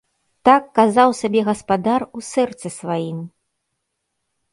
Так казаў сабе гаспадар у сэрцы сваім!